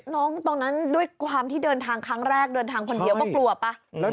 ตรงนั้นด้วยความที่เดินทางครั้งแรกเดินทางคนเดียวก็กลัวป่ะ